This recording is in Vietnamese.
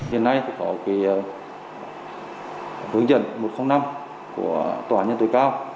hiện nay có vướng dẫn một trăm linh năm của tòa nhân tội cao